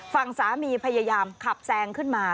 ฝั่งสามีพยายามขับแซงขึ้นมา